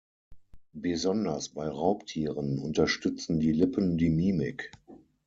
Besonders bei Raubtieren unterstützen die Lippen die Mimik.